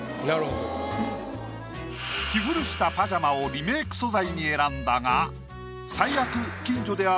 着古したパジャマをリメイク素材に選んだが最悪。